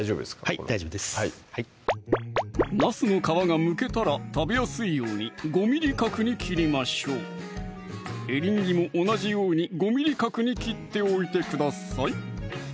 はい大丈夫ですなすの皮がむけたら食べやすいように５ｍｍ角に切りましょうエリンギも同じように５ｍｍ角に切っておいてください